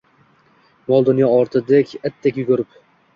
Mol-dunyo ortidan itdek yugurib